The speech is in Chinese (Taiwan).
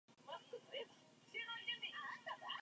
但真的要懷疑到底